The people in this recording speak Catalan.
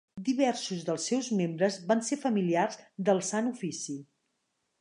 Diversos dels seus membres van ser familiars del Sant Ofici.